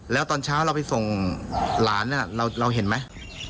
แล้วตอนเช้าไปส่งล้านนั้นแล้วเราหลายเห็นมั้ย